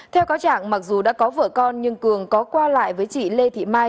theo cáo trạng mặc dù đã có vợ con nhưng cường có qua lại với chị lê thị mai